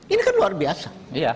ini kan luar biasa